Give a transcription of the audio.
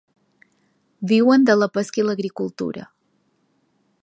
Viuen de la pesca i l'agricultura.